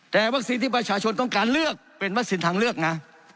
แต่วัคซีนที่ประชาชนต้องการเลือกเป็นวัคซีนทางเลือกนะ